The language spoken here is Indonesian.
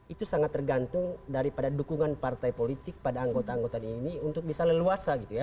itu sangat tergantung daripada dukungan partai politik pada anggota anggota ini untuk bisa leluasa gitu ya